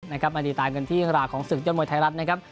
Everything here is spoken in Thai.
มาติดตามกันที่เวลาของศึกยอดมวยไทยรัฐนะครับ